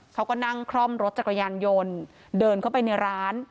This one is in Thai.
เขาก็นั่งคล่อมรถจักรยานยนต์เดินเข้าไปในร้าน